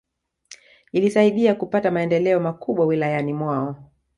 Ilisaidia kupata maendeleo makubwa Wilayani mwao